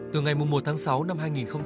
từ ngày một tháng sáu năm hai nghìn hai mươi